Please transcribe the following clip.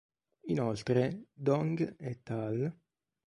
Inoltre, Dong "et al.